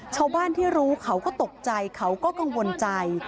ชาวบ้านที่รู้เขาก็ตกใจเขาก็กังวลใจ